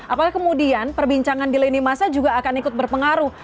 apakah kemudian perbincangan di lini masa juga akan ikut berpengaruh